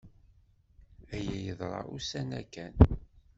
Aya yeḍra ussan-a kan.